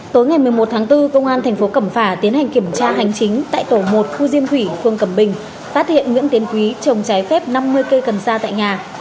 tối ngày một mươi một tháng bốn công an thành phố cẩm phả tiến hành kiểm tra hành chính tại tổ một khu diêm thủy phương cầm bình phát hiện nguyễn tiến quý trồng trái phép năm mươi cây cần sa tại nhà